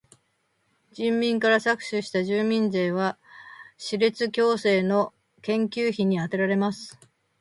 人民から搾取した住民税は歯列矯正の研究費にあてられます。